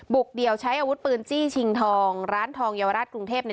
เดี่ยวใช้อาวุธปืนจี้ชิงทองร้านทองเยาวราชกรุงเทพเนี่ย